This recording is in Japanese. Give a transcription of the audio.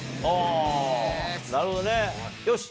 なるほどね。